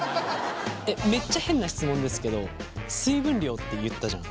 めっちゃ変な質問ですけど水分量って言ったじゃん。